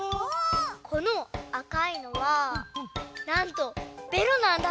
このあかいのはなんとべろなんだって。